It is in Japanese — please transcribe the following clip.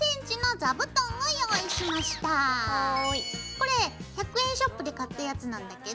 これ１００円ショップで買ったやつなんだけど。